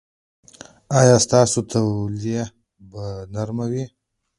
ایا ستاسو تولیه به نرمه وي؟